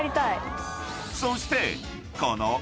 ［そしてこの］